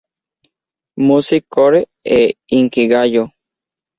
Music Core", e "Inkigayo".